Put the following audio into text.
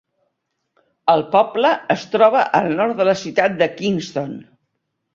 El poble es troba al nord de la ciutat de Kingston.